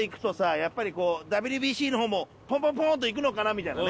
やっぱりこうＷＢＣの方もポンポンポンといくのかなみたいなね。